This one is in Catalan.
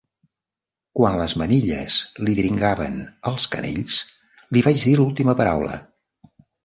Quan les manilles li dringaven als canells, li vaig dir l'última paraula.